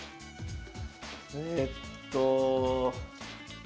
えっと。